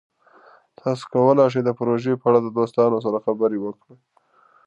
تاسو کولی شئ د پروژې په اړه د دوستانو سره خبرې وکړئ.